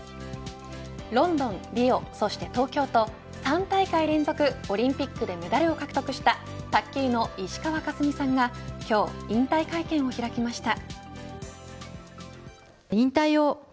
ロンドン、リオ、そして東京と３大会連続オリンピックでメダルを獲得した卓球の石川佳純さんが今日引退会見を開きました。